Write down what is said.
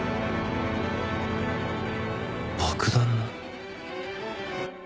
爆弾の。